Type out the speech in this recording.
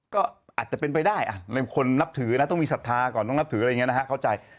ก็อาจจะเป็นไปได้คนนับถือนะต้องมีศรัทธาก่อนต้องนับถืออะไรอย่างนี้นะฮะเข้าใจ